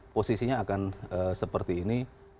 posisinya akan seperti ini